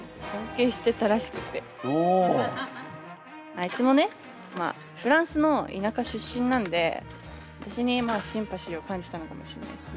あいつもねまあフランスの田舎出身なんで私にシンパシーを感じたのかもしんないっすね。